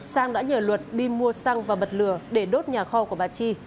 sang đã nhờ luật đi mua xăng và bật lửa để đốt nhà kho của bà chi